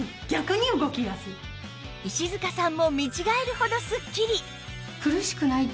石塚さんも見違えるほどすっきり！